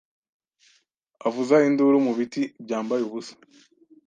avuza induru mu biti byambaye ubusa